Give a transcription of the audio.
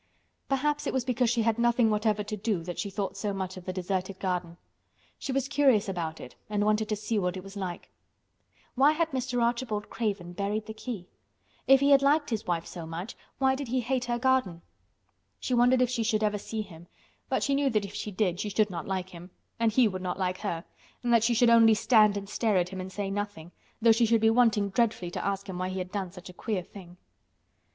Perhaps it was because she had nothing whatever to do that she thought so much of the deserted garden. She was curious about it and wanted to see what it was like. Why had Mr. Archibald Craven buried the key? If he had liked his wife so much why did he hate her garden? She wondered if she should ever see him, but she knew that if she did she should not like him, and he would not like her, and that she should only stand and stare at him and say nothing, though she should be wanting dreadfully to ask him why he had done such a queer thing.